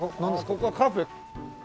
ここはカフェ。